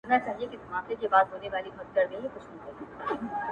• خو ذهنونه لا هم زخمي دي,